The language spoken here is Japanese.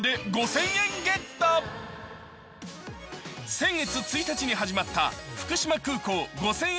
先月１日に始まった福島空港５０００円